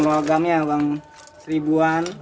logamnya uang seribuan